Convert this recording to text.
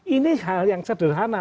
ini hal yang sederhana